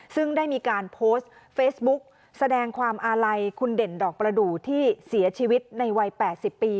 ซึ่งได้มีการโพสต์เฟซบุ๊กแสดงความอาลัยคุณเด่นดอกประดูกที่เสียชีวิตในวัย๘๐ปี